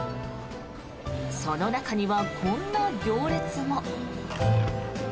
その中にはこんな行列も。